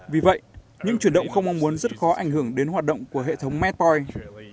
vì vậy những chuyển động không mong muốn rất khó ảnh hưởng đến hoạt động của hệ thống metoin